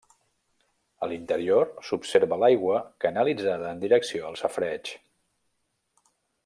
A l'interior s'observa l'aigua canalitzada en direcció al safareig.